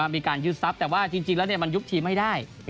มีการยึดทรัพย์แต่ว่าจริงแล้วมันยุบทีมไม่ได้